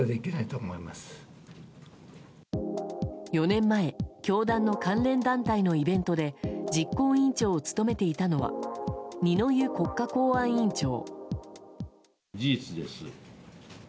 ４年前教団の関連団体のイベントで実行委員長を務めていたのは二之湯国家公安委員長。